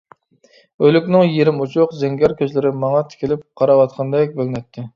ئۆلۈكنىڭ يېرىم ئوچۇق زەڭگەر كۆزلىرى ماڭا تىكىلىپ قاراۋاتقاندەك بىلىنەتتى.